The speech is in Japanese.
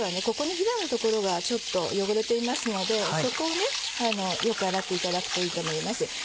ここのひだの所がちょっと汚れていますのでそこをよく洗っていただくといいと思います。